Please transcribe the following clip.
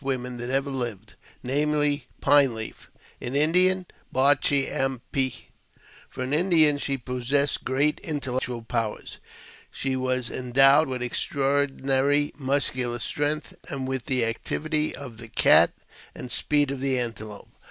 women that ever lived, namely, Pine Leaf — in Indian, Bar chee am pe. For an Indian, she possessed great intellectual powers. She was endowed with extraordinary musculasj strength, with the activity of the cat and the speed of tl antelope.